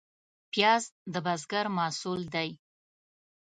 پیاز د بزګر محصول دی